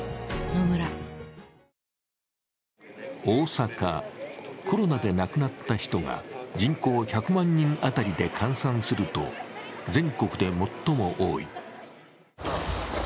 大阪、コロナで亡くなった人が人口１００万人当たりで換算すると全国で最も多い。